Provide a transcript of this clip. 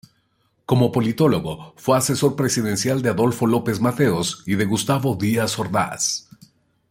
Como politólogo, fue asesor presidencial de Adolfo López Mateos y de Gustavo Díaz Ordaz.